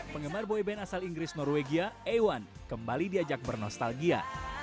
pengemar boyband asal inggris norwegia a satu kembali diajak bernostalgia